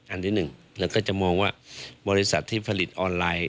อันที่หนึ่งเราก็จะมองว่าบริษัทที่ผลิตออนไลน์